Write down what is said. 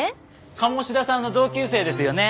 鴨志田さんの同級生ですよね？